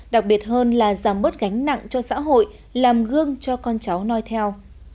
đặc biệt hơn là giảm bớt gánh nặng cho xã hội làm gương cho con cháu noi theo